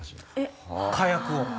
火薬を？